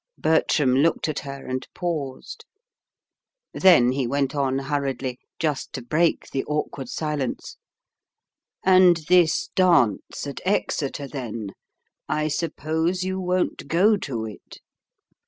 Bertram looked at her and paused; then he went on hurriedly, just to break the awkward silence: "And this dance at Exeter, then I suppose you won't go to it?"